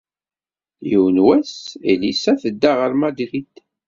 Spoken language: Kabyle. Yiwen wass, Elisa tedda ɣer Madrid.